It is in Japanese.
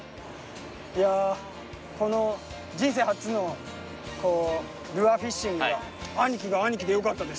いやこの人生初のルアーフィッシングが兄貴が兄貴でよかったです！